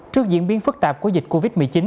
trước diễn biến phức tạp của dịch covid một mươi chín